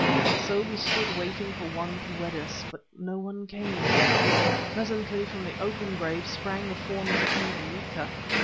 So we stood waiting for one to wed us, but no one came. Presently from the open grave sprang the form of Hendrika.